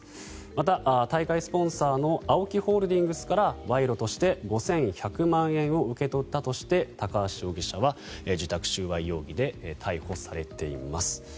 また、大会スポンサーのＡＯＫＩホールディングスから賄賂として５１００万円を受け取ったとして高橋容疑者は受託収賄容疑で逮捕されています。